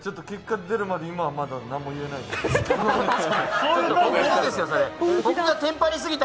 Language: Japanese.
結果が出るまで今はまだ何も言えないです。